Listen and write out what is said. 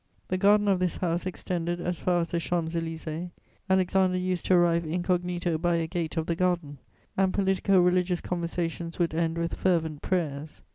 The garden of this house extended as far as the Champs Élysées. Alexander used to arrive incognito by a gate of the garden, and politico religious conversations would end with fervent prayers.